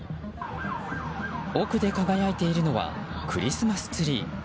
奥で輝いているのはクリスマスツリー。